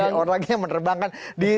sebagai orang yang menerbangkan